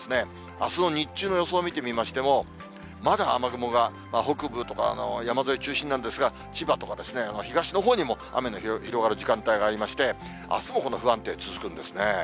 あすの日中の予想を見てみましても、まだ雨雲が北部とか山沿い中心なんですが、千葉とかですね、東のほうにも雨の広がる時間帯がありまして、あすもこの不安定、続くんですね。